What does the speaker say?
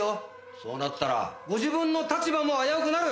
そうなったらご自分の立場も危うくなる！